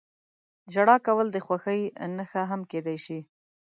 • ژړا کول د خوښۍ نښه هم کېدای شي.